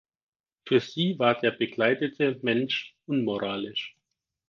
Für sie war der bekleidete Mensch unmoralisch.